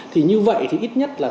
thì như vậy thì ít nhất là